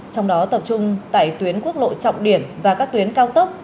trong đó tập trung tại tuyến quốc lộ trọng điểm và các tuyến cao tốc